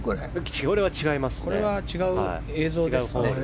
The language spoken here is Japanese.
これは違います。